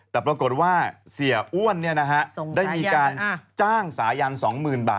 แต่ปรากฏว่าเสียอ้วนได้มีการจ้างสายัน๒๐๐๐บาท